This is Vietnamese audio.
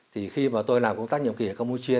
thì khi mà tôi làm công tác nhiều kỷ ở campuchia